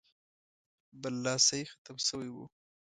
برلاسی ختم شوی وو.